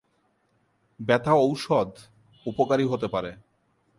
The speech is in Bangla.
ব্যথা ঔষধ উপকারী হতে পারে।